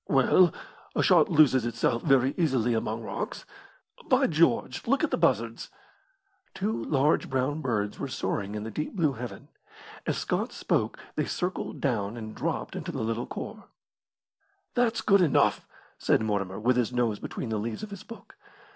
"Well, a shot loses itself very easily among rocks. By George, look at the buzzards!" Two large brown birds were soaring in the deep blue heaven. As Scott spoke they circled down and dropped into the little khor. "That's good enough," said Mortimer, with his nose between the leaves of his book.